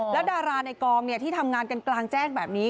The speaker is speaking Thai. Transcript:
แล้วดาราในกองที่ทำงานกันกลางแจ้งแบบนี้